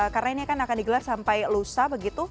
karena ini akan digelar sampai lusa begitu